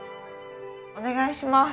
お願いします。